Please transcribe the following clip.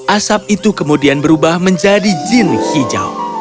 asap itu kemudian berubah menjadi jin hijau